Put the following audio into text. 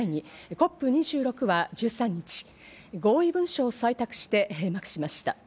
ＣＯＰ２６は１３日、合意文書を採択して閉幕しました。